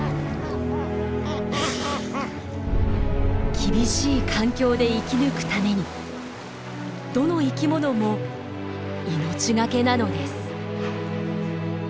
厳しい環境で生き抜くためにどの生きものも命懸けなのです。